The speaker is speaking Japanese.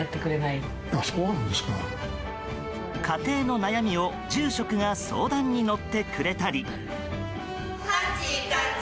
家庭の悩みを住職が相談に乗ってくれたり。